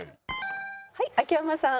はい秋山さん。